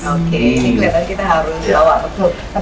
oke jadi kita harus tahu